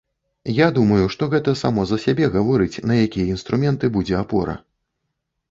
Я думаю, што гэта само за сябе гаворыць, на якія інструменты будзе апора.